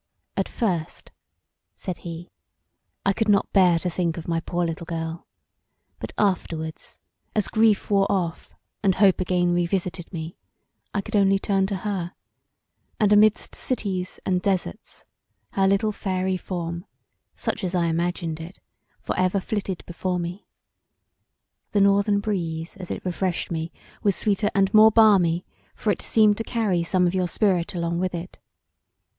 "At first" said he, "I could not bear to think of my poor little girl; but afterwards as grief wore off and hope again revisited me I could only turn to her, and amidst cities and desarts her little fairy form, such as I imagined it, for ever flitted before me. The northern breeze as it refreshed me was sweeter and more balmy for it seemed to carry some of your spirit along with it.